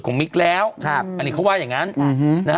ของมิดแล้วครับอันนี้เขาว่าอย่างงั้นนะฮะ